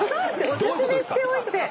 おすすめしておいて。